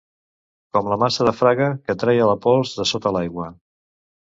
Com la maça de Fraga, que treia la pols de sota l'aigua.